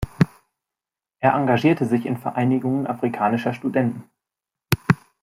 Er engagierte sich in Vereinigungen afrikanischer Studenten.